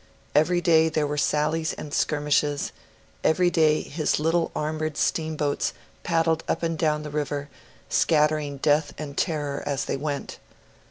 Every day there were sallies and skirmishes; every day his little armoured steamboats paddled up and down the river, scattering death and terror as they went.